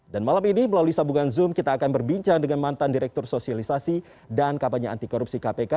dan malam ini melalui sabungan zoom kita akan berbincang dengan mantan direktur sosialisasi dan kabannya antikorupsi kpk